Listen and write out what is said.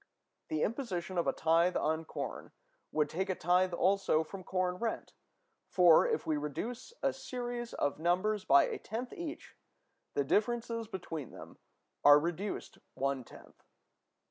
The imposition of a tithe on corn would take a tithe also from corn rent: for, if we reduce a series of numbers by a tenth each, the differences between them are reduced one tenth.